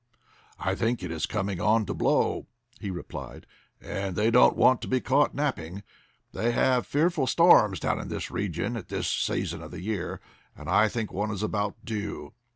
"I think it is coming on to blow," he replied, "and they don't want to be caught napping. They have fearful storms down in this region at this season of the year, and I think one is about due."